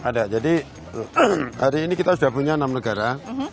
ada jadi hari ini kita sudah punya enam negara